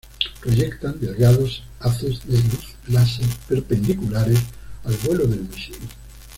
Proyectan delgados haces de luz láser perpendiculares al vuelo del misil.